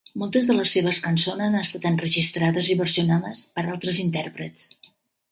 Moltes de les seves cançons han estat enregistrades i versionades per altres intèrprets.